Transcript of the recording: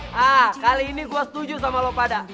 nah kali ini gue setuju sama lo pada